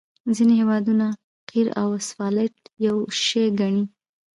ځینې هیوادونه قیر او اسفالټ یو شی ګڼي